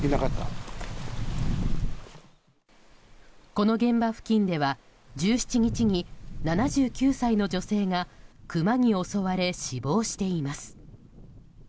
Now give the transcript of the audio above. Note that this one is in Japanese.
この現場付近では１７日に７９歳の女性がクマに襲われ死亡しています。